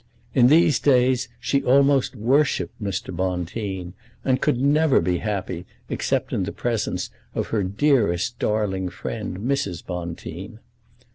In these days she almost worshipped Mr. Bonteen, and could never be happy except in the presence of her dearest darling friend Mrs. Bonteen.